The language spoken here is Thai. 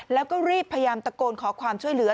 แล้วก็รีบพยายามตะโกนขอความช่วยเหลือ